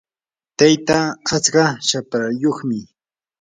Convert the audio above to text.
tayta atska shaprayuqmi.